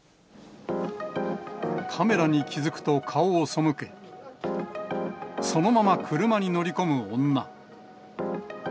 カメラに気付くと顔を背け、そのまま車に乗り込む女。